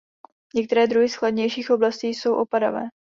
Některé druhy z chladnějších oblastí jsou opadavé.